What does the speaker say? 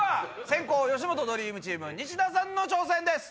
先攻吉本ドリームチーム西田さんの挑戦です。